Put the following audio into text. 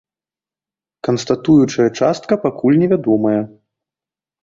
Канстатуючая частка пакуль невядомая.